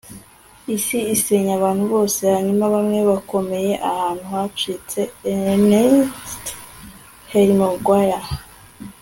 isi isenya abantu bose, hanyuma, bamwe bakomeye ahantu hacitse. - ernest hemingway